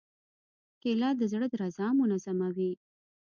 کېله د زړه درزا منظموي.